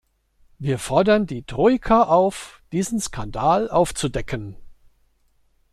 Wir fordern die Troika auf, diesen Skandal aufzudecken!